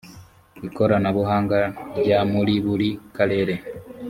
ikoranabuhanga rya muri buri karere